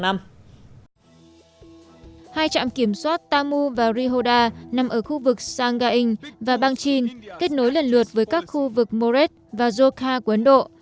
hai trạm kiểm soát tamu và rihoda nằm ở khu vực sangaing và bangchin kết nối lần lượt với các khu vực moret và joka của ấn độ